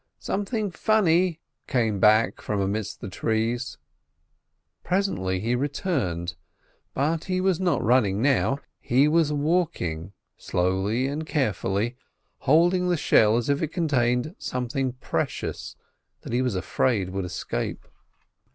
"Something funny!" came back from amidst the trees. Presently he returned; but he was not running now. He was walking slowly and carefully, holding the shell as if it contained something precious that he was afraid would escape.